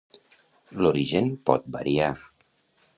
L'origen pot variar.